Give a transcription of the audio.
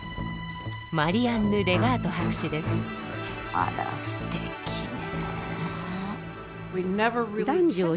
あらすてきね。